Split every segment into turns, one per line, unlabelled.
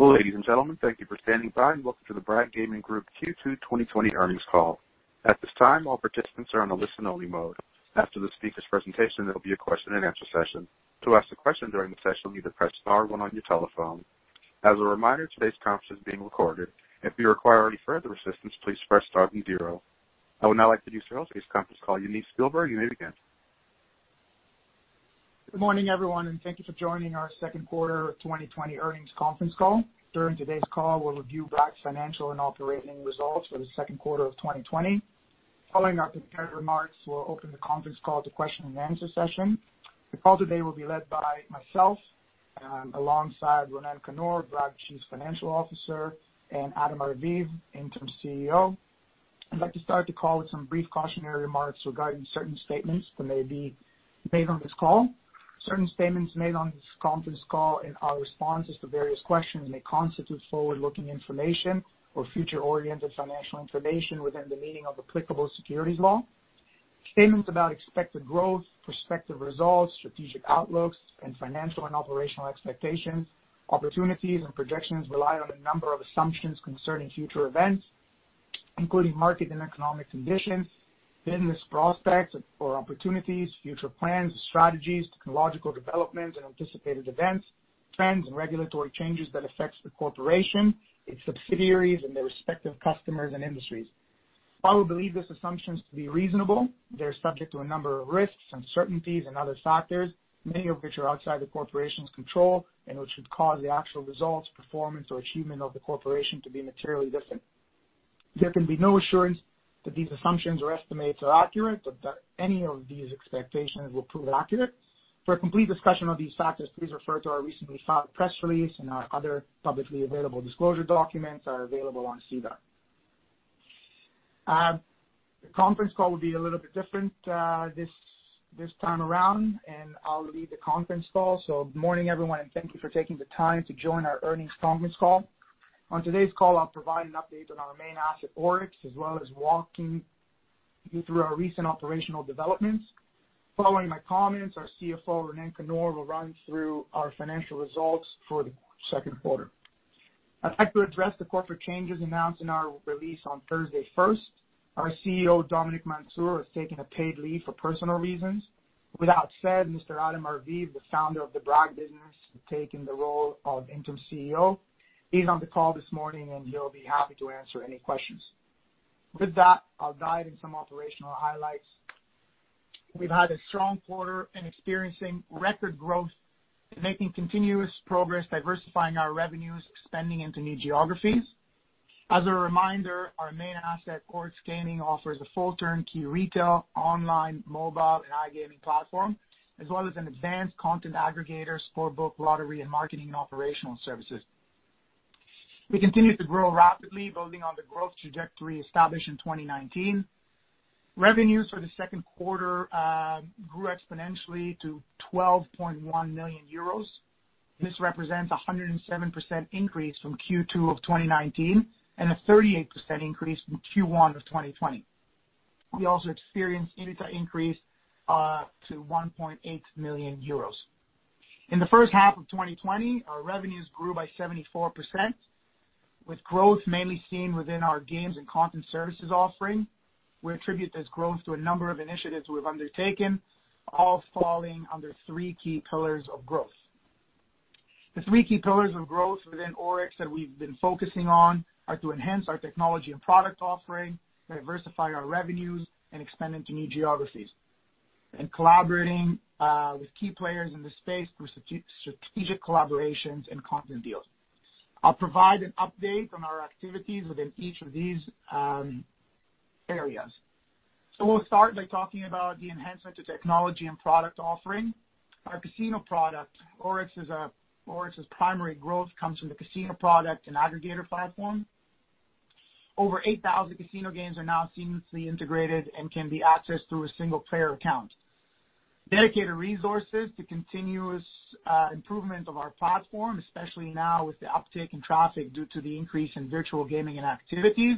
Ladies and gentlemen, thank you for standing by and welcome to the Bragg Gaming Group Q2 2020 earnings call. At this time, all participants are on a listen only mode. After the speaker's presentation, there will be a question and answer session. To ask a question during the session, either press star one on your telephone. As a reminder, today's conference is being recorded. If you require any further assistance, please press star and zero. I would now like to introduce today's conference call, Yaniv Spielberg. Yaniv, again.
Good morning, everyone, and thank you for joining our second quarter 2020 earnings conference call. During today's call, we will review Bragg's financial and operating results for the second quarter of 2020. Following our prepared remarks, we will open the conference call to question and answer session. The call today will be led by myself, alongside Ronen Kannor, Bragg Chief Financial Officer, and Adam Arviv, Interim Chief Executive Officer. I would like to start the call with some brief cautionary remarks regarding certain statements that may be made on this call. Certain statements made on this conference call and our responses to various questions may constitute forward-looking information or future-oriented financial information within the meaning of applicable securities law. Statements about expected growth, prospective results, strategic outlooks, and financial and operational expectations, opportunities and projections rely on a number of assumptions concerning future events, including market and economic conditions, business prospects or opportunities, future plans and strategies, technological developments and anticipated events, trends and regulatory changes that affects the corporation, its subsidiaries, and their respective customers and industries. While we believe these assumptions to be reasonable, they are subject to a number of risks, uncertainties, and other factors, many of which are outside the corporation's control and which could cause the actual results, performance, or achievement of the corporation to be materially different. There can be no assurance that these assumptions or estimates are accurate, or that any of these expectations will prove accurate. For a complete discussion of these factors, please refer to our recently filed press release and our other publicly available disclosure documents are available on SEDAR. The conference call will be a little bit different this time around. I'll lead the conference call. Good morning, everyone. Thank you for taking the time to join our earnings conference call. On today's call, I'll provide an update on our main asset, Oryx, as well as walking you through our recent operational developments. Following my comments, our Chief Financial Officer, Ronen Kannor, will run through our financial results for the second quarter. I'd like to address the corporate changes announced in our release on Thursday first. Our Chief Executive Officer, Dominic Mansour, has taken a paid leave for personal reasons. With that said, Mr. Adam Arviv, the Founder of the Bragg business, has taken the role of Interim Chief Executive Officer. He's on the call this morning, and he'll be happy to answer any questions. With that, I'll dive in some operational highlights. We've had a strong quarter in experiencing record growth and making continuous progress diversifying our revenues, expanding into new geographies. As a reminder, our main asset, Oryx Gaming, offers a full turn-key retail, online, mobile, and iGaming platform, as well as an advanced content aggregator, sportsbook, lottery, and marketing and operational services. We continue to grow rapidly, building on the growth trajectory established in 2019. Revenues for the second quarter grew exponentially to 12.1 million euros. This represents 107% increase from Q2 2019 and a 38% increase from Q1 2020. We also experienced EBITDA increase to 1.8 million euros. In the first half of 2020, our revenues grew by 74%, with growth mainly seen within our games and content services offering. We attribute this growth to a number of initiatives we've undertaken, all falling under three key pillars of growth. The three key pillars of growth within Oryx that we've been focusing on are to enhance our technology and product offering, diversify our revenues, and expand into new geographies, and collaborating with key players in this space through strategic collaborations and content deals. I'll provide an update on our activities within each of these areas. We'll start by talking about the enhancement to technology and product offering. Our casino product, Oryx's primary growth comes from the casino product and aggregator platform. Over 8,000 casino games are now seamlessly integrated and can be accessed through a single player account. Dedicated resources to continuous improvement of our platform, especially now with the uptick in traffic due to the increase in virtual gaming and activities.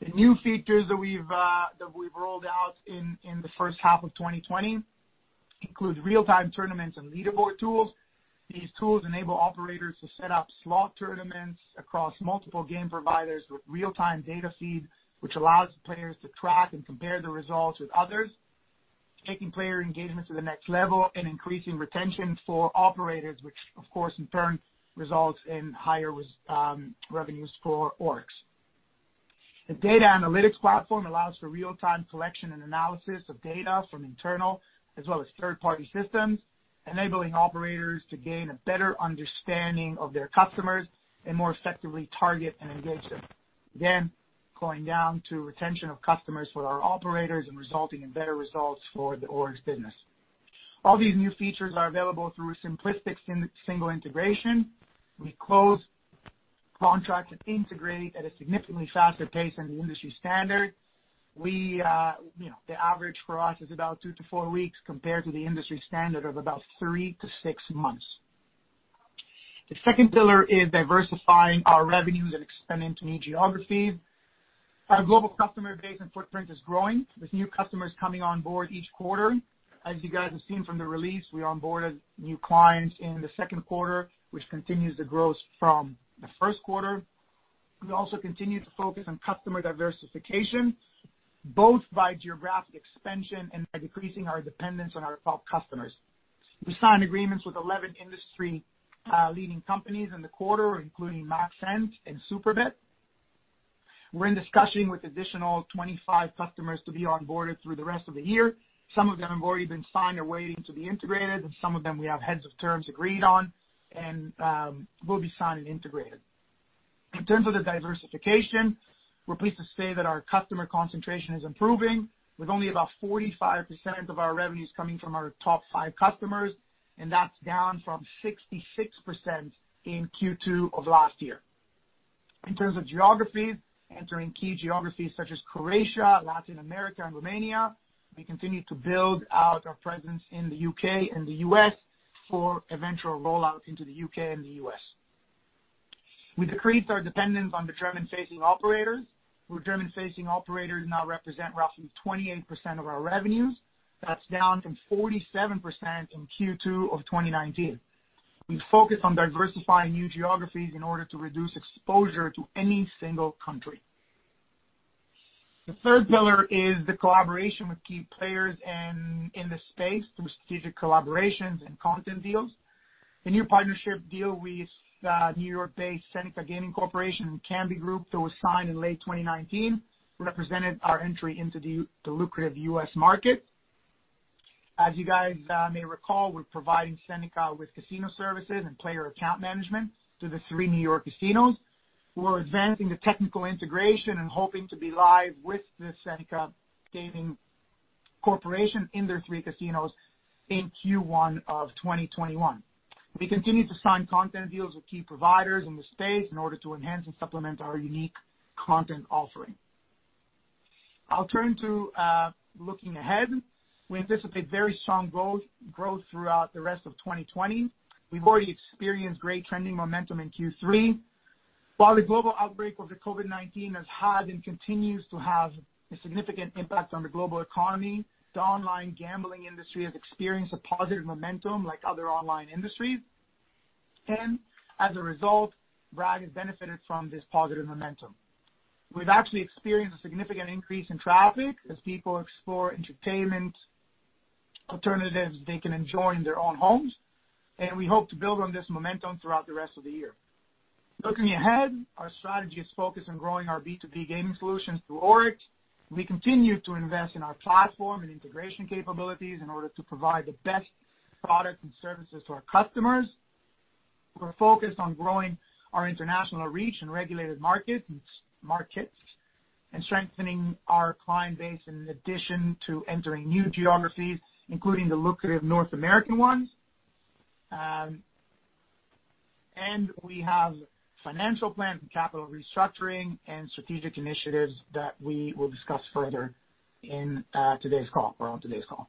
The new features that we've rolled out in the first half of 2020 includes real-time tournaments and leaderboard tools. These tools enable operators to set up slot tournaments across multiple game providers with real-time data feed, which allows players to track and compare their results with others, taking player engagement to the next level and increasing retention for operators, which of course, in turn results in higher revenues for Oryx. The data analytics platform allows for real-time collection and analysis of data from internal as well as third-party systems, enabling operators to gain a better understanding of their customers and more effectively target and engage them. Again, going down to retention of customers with our operators and resulting in better results for the Oryx business. All these new features are available through simplistic single integration. We close contracts and integrate at a significantly faster pace than the industry standard. The average for us is about two to four weeks compared to the industry standard of about three to six months. The second pillar is diversifying our revenues and expanding to new geographies. Our global customer base and footprint is growing with new customers coming on board each quarter. As you guys have seen from the release, we onboarded new clients in the second quarter, which continues the growth from the first quarter. We also continue to focus on customer diversification, both by geographic expansion and by decreasing our dependence on our top customers. We signed agreements with 11 industry leading companies in the quarter, including MaxEnt and Superbet. We're in discussion with additional 25 customers to be onboarded through the rest of the year. Some of them have already been signed, are waiting to be integrated, and some of them we have heads of terms agreed on and will be signed and integrated. In terms of the diversification, we're pleased to say that our customer concentration is improving with only about 45% of our revenues coming from our top five customers, and that's down from 66% in Q2 of last year. In terms of geographies, entering key geographies such as Croatia, Latin America, and Romania, we continue to build out our presence in the U.K. and the U.S. for eventual rollout into the U.K. and the U.S. We decreased our dependence on the German-facing operators, where German-facing operators now represent roughly 28% of our revenues. That's down from 47% in Q2 of 2019. We focus on diversifying new geographies in order to reduce exposure to any single country. The third pillar is the collaboration with key players in the space through strategic collaborations and content deals. The new partnership deal with New York-based Seneca Gaming Corporation and Kambi Group that was signed in late 2019 represented our entry into the lucrative U.S. market. As you guys may recall, we're providing Seneca with casino services and player account management to the three New York casinos. We're advancing the technical integration and hoping to be live with the Seneca Gaming Corporation in their three casinos in Q1 of 2021. We continue to sign content deals with key providers in the space in order to enhance and supplement our unique content offering. I'll turn to looking ahead. We anticipate very strong growth throughout the rest of 2020. We've already experienced great trending momentum in Q3. While the global outbreak of the COVID-19 has had and continues to have a significant impact on the global economy, the online gambling industry has experienced a positive momentum like other online industries. As a result, Bragg has benefited from this positive momentum. We've actually experienced a significant increase in traffic as people explore entertainment alternatives they can enjoy in their own homes, and we hope to build on this momentum throughout the rest of the year. Looking ahead, our strategy is focused on growing our B2B gaming solutions through Oryx. We continue to invest in our platform and integration capabilities in order to provide the best products and services to our customers. We're focused on growing our international reach in regulated markets and strengthening our client base in addition to entering new geographies, including the lucrative North American ones. We have financial plans and capital restructuring and strategic initiatives that we will discuss further in today's call or on today's call.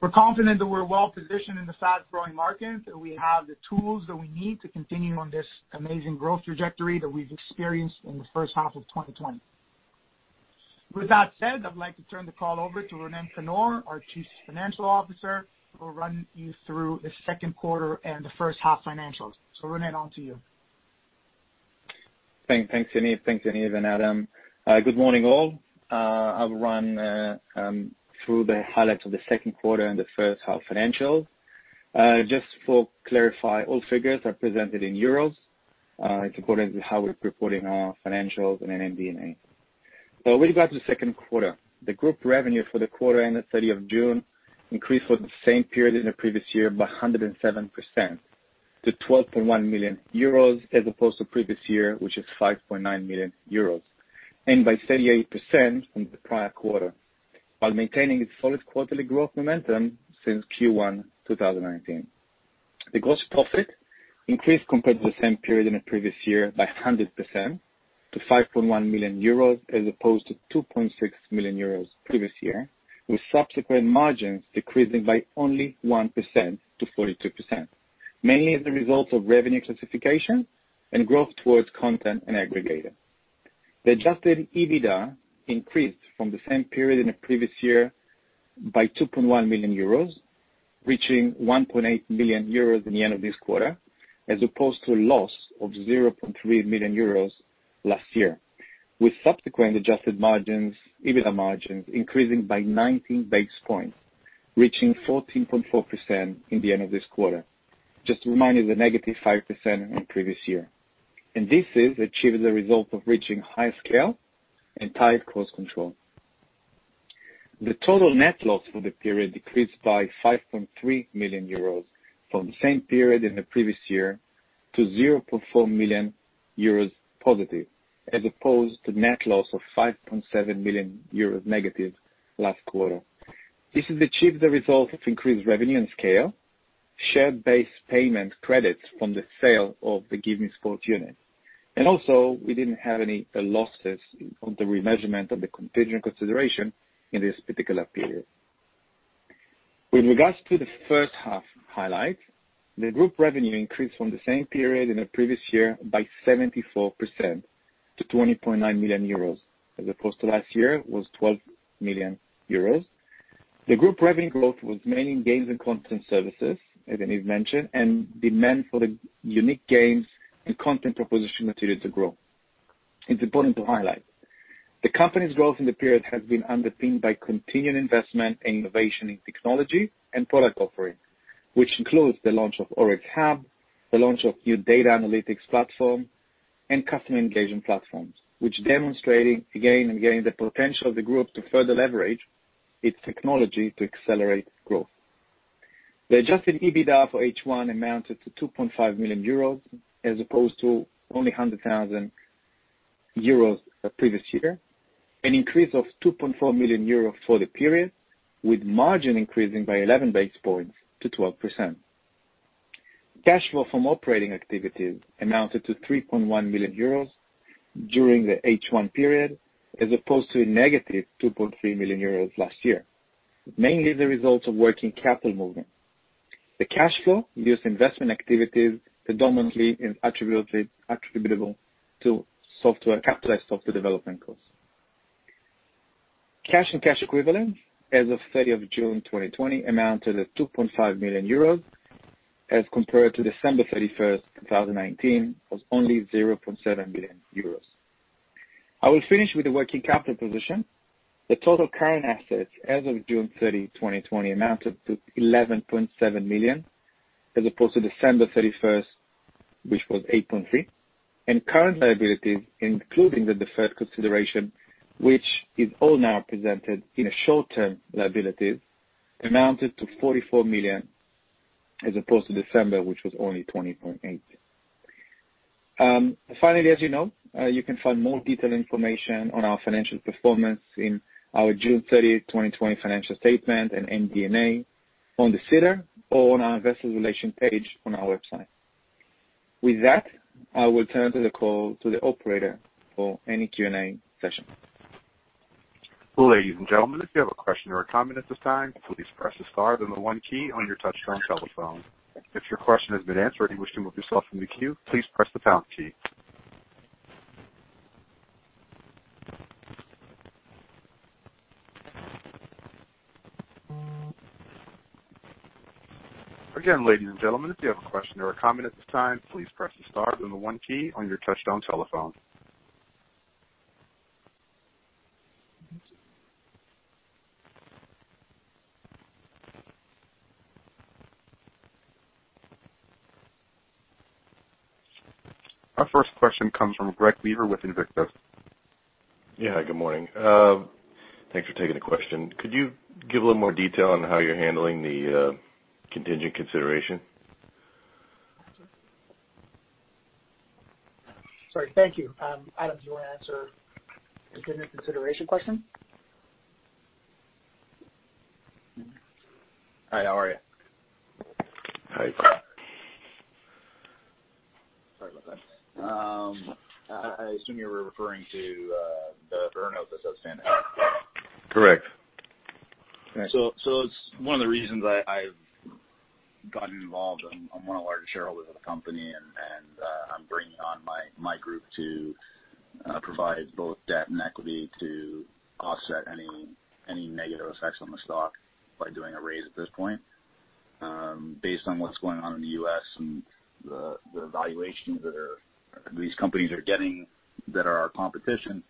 We're confident that we're well positioned in the fast-growing markets, and we have the tools that we need to continue on this amazing growth trajectory that we've experienced in the first half of 2020. With that said, I'd like to turn the call over to Ronen Kannor, our Chief Financial Officer, who will run you through the second quarter and the first half financials. Ronen, on to you.
Thanks, Yaniv and Adam. Good morning, all. I will run through the highlights of the second quarter and the first half financials. Just to clarify, all figures are presented in EUR, according to how we're reporting our financials in MD&A. With regard to the second quarter, the group revenue for the quarter and the 30th of June increased for the same period in the previous year by 107% to 12.1 million euros as opposed to previous year, which is 5.9 million euros, and by 38% from the prior quarter, while maintaining its solid quarterly growth momentum since Q1 2019. The gross profit increased compared to the same period in the previous year by 100% to 5.1 million euros as opposed to 2.6 million euros previous year, with subsequent margins decreasing by only 1%-42%, mainly as a result of revenue classification and growth towards content and aggregator. The adjusted EBITDA increased from the same period in the previous year by 2.1 million euros, reaching 1.8 million euros in the end of this quarter, as opposed to a loss of 0.3 million euros last year, with subsequent adjusted margins, EBITDA margins, increasing by 19 basis points, reaching 14.4% in the end of this quarter. Just a reminder, the -5% in the previous year. This is achieved as a result of reaching higher scale and tight cost control. The total net loss for the period decreased by 5.3 million euros from the same period in the previous year to 0.4 million euros positive, as opposed to net loss of 5.7 million euros negative last quarter. This has achieved the result of increased revenue and scale, share-based payment credits from the sale of the GiveMeSport unit. Also, we didn't have any losses on the remeasurement of the contingent consideration in this particular period. With regards to the first half highlights, the group revenue increased from the same period in the previous year by 74% to 20.9 million euros, as opposed to last year was 12 million euros. The group revenue growth was mainly in games and content services, as Yaniv mentioned, demand for the unique games and content proposition continued to grow. It's important to highlight, the company's growth in the period has been underpinned by continued investment and innovation in technology and product offerings, which includes the launch of Oryx Hub, the launch of new data analytics platform, and customer engagement platforms, which demonstrating again and again, the potential of the group to further leverage its technology to accelerate growth. The adjusted EBITDA for H1 amounted to 2.5 million euros as opposed to only 100,000 euros the previous year, an increase of 2.4 million euros for the period with margin increasing by 11 base points to 12%. Cash flow from operating activities amounted to 3.1 million euros during the H1 period as opposed to negative 2.3 million euros last year, mainly the result of working capital movement. The cash flow gives investment activities predominantly is attributable to capitalized software development costs. Cash and cash equivalents as of 30th of June 2020 amounted to 2.5 million euros as compared to December 31st, 2019 of only 0.7 million euros. I will finish with the working capital position. The total current assets as of June 30, 2020, amounted to 11.7 million as opposed to December 31st, which was 8.3 million. Current liabilities, including the deferred consideration, which is all now presented in a short-term liability, amounted to 44 million as opposed to December, which was only 20.8. Finally, as you know, you can find more detailed information on our financial performance in our June 30th, 2020, financial statement and MD&A on the SEDAR or on our investor relation page on our website. With that, I will turn the call to the operator for any Q&A session.
Ladies and gentlemen, if you have question or comments at this time please press star then one key on, your touchtone telephone, if your question have been answer and wish to remove yourself from the queue please press the pound key. Our first question comes from with Invictus.
Yeah. Good morning. Thanks for taking the question. Could you give a little more detail on how you're handling the contingent consideration?
Sorry. Thank you. Adam, do you want to answer the contingent consideration question?
Hi, how are you?
Hi.
Sorry about that. I assume you were referring to the earn-out that's outstanding.
Correct.
It's one of the reasons I've gotten involved. I'm one of the largest shareholders of the company, and I'm bringing on my group to provide both debt and equity to offset any negative effects on the stock by doing a raise at this point. Based on what's going on in the U.S. and the valuations that these companies are getting that are our competition,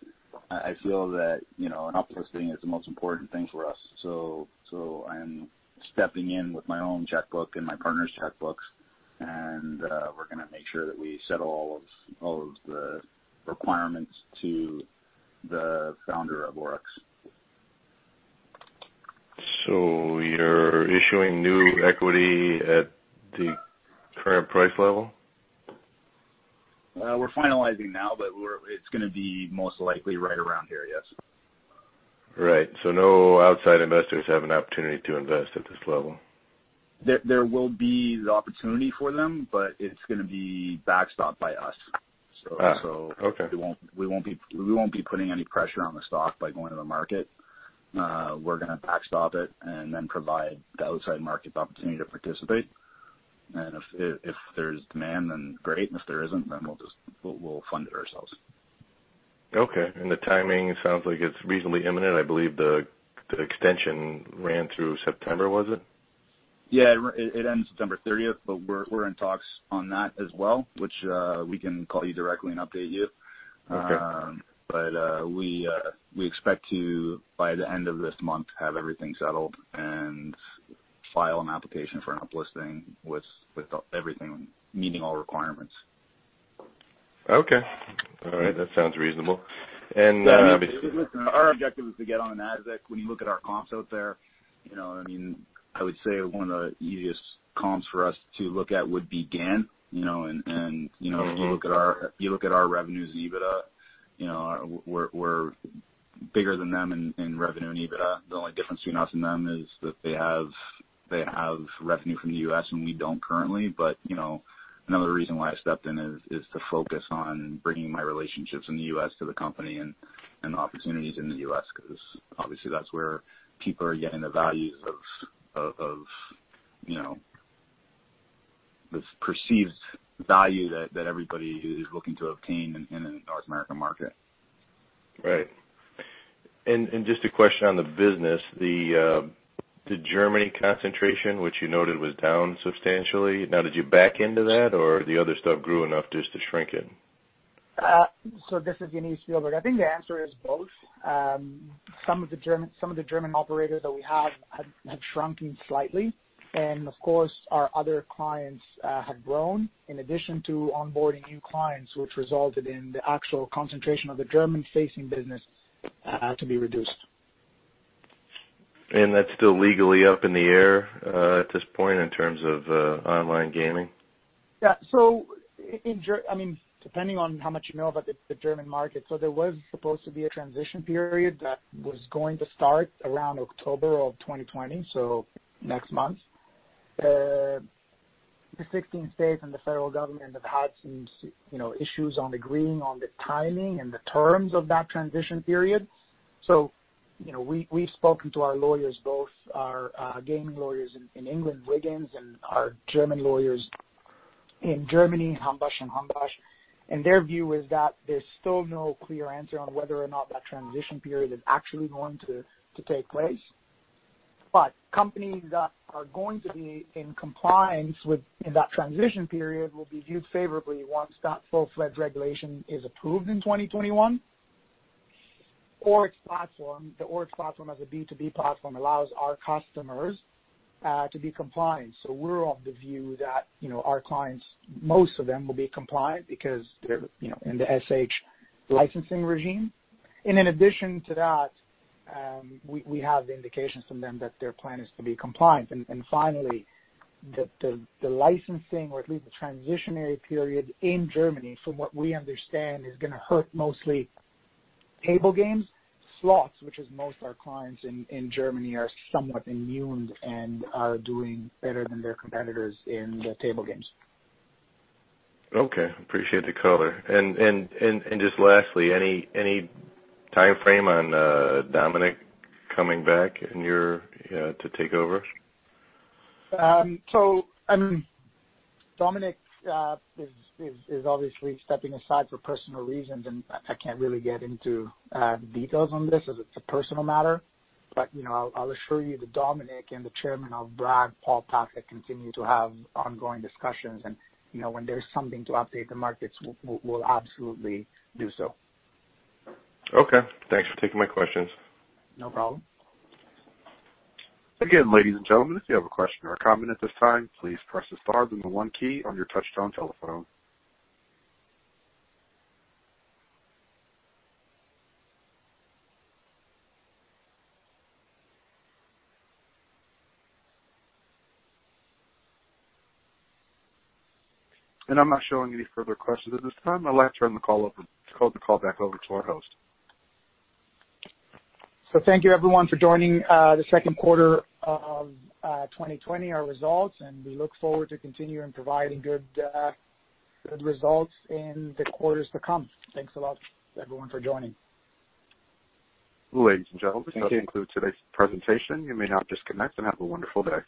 I feel that an up-listing is the most important thing for us. I'm stepping in with my own checkbook and my partner's checkbooks, and we're going to make sure that we settle all of the requirements to the Founder of Oryx.
You're issuing new equity at the current price level?
We're finalizing now, but it's going to be most likely right around here, yes.
Right. No outside investors have an opportunity to invest at this level.
There will be the opportunity for them, but it's going to be backstop by us.
Okay.
We won't be putting any pressure on the stock by going to the market. We're going to backstop it and then provide the outside market the opportunity to participate. If there's demand, then great. If there isn't, then we'll fund it ourselves.
Okay. The timing sounds like it's reasonably imminent. I believe the extension ran through September, was it?
Yeah. It ends September 30th, but we're in talks on that as well, which we can call you directly and update you.
Okay.
We expect to, by the end of this month, have everything settled and file an application for an up-listing with everything meeting all requirements.
Okay. All right. That sounds reasonable. Obviously.
Listen, our objective is to get on NASDAQ. When you look at our comps out there, I would say one of the easiest comps for us to look at would be GAN. If you look at our revenues and EBITDA, we're bigger than them in revenue and EBITDA. The only difference between us and them is that they have revenue from the U.S., and we don't currently. Another reason why I stepped in is to focus on bringing my relationships in the U.S. to the company and the opportunities in the U.S., because obviously that's where people are getting the values of this perceived value that everybody is looking to obtain in a North American market.
Right. Just a question on the business, the Germany concentration, which you noted was down substantially. Did you back into that or the other stuff grew enough just to shrink it?
This is Yaniv Spielberg. I think the answer is both. Some of the German operators that we have had shrunken slightly, and of course, our other clients have grown, in addition to onboarding new clients, which resulted in the actual concentration of the German-facing business to be reduced.
That's still legally up in the air at this point in terms of iGaming?
Yeah. Depending on how much you know about the German market. There was supposed to be a transition period that was going to start around October of 2020, next month. The 16 states and the federal government have had some issues on agreeing on the timing and the terms of that transition period. We've spoken to our lawyers, both our gaming lawyers in England, Wiggin, and our German lawyers in Germany, Hambach & Hambach, and their view is that there's still no clear answer on whether or not that transition period is actually going to take place. Companies that are going to be in compliance within that transition period will be viewed favorably once that full-fledged regulation is approved in 2021. The Oryx platform as a B2B platform allows our customers to be compliant. We're of the view that our clients, most of them will be compliant because they're in the Oryx licensing regime. In addition to that, we have the indications from them that their plan is to be compliant. Finally, the licensing or at least the transitionary period in Germany, from what we understand, is going to hurt mostly table games. Slots, which is most our clients in Germany, are somewhat immune and are doing better than their competitors in the table games.
Okay. Appreciate the color. Just lastly, any timeframe on Dominic coming back to take over?
Dominic is obviously stepping aside for personal reasons. I can't really get into details on this as it's a personal matter. I'll assure you that Dominic and the Chairman of Bragg, Paul Pathak, continue to have ongoing discussions. When there's something to update the markets, we'll absolutely do so.
Okay. Thanks for taking my questions.
No problem.
Again, ladies and gentlemen, if you have a question or comment at this time, please press the star then the one key on your touchtone telephone. I'm not showing any further questions at this time. I'd like to turn the call back over to our host.
Thank you everyone for joining the second quarter of 2020, our results, and we look forward to continuing providing good results in the quarters to come. Thanks a lot everyone for joining.
Ladies and gentlemen.
Thank you.
This concludes today's presentation. You may now disconnect, and have a wonderful day.